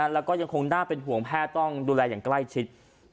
แล้วก็ยังคงน่าเป็นห่วงแพทย์ต้องดูแลอย่างใกล้ชิด